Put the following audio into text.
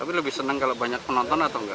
tapi lebih senang kalau banyak penonton atau enggak